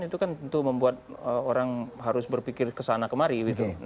itu kan tentu membuat orang harus berpikir kesana kemari gitu